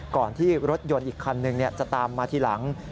ก่อนที่รถยนต์อีกคันหนึ่งจะตามมาทีหลัง